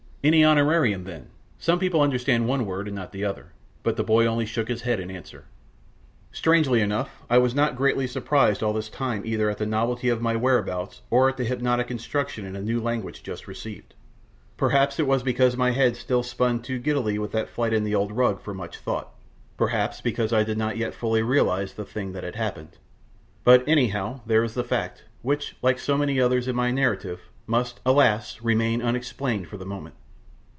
"Any honorarium, then? Some people understand one word and not the other." But the boy only shook his head in answer. Strangely enough, I was not greatly surprised all this time either at the novelty of my whereabouts or at the hypnotic instruction in a new language just received. Perhaps it was because my head still spun too giddily with that flight in the old rug for much thought; perhaps because I did not yet fully realise the thing that had happened. But, anyhow, there is the fact, which, like so many others in my narrative, must, alas! remain unexplained for the moment.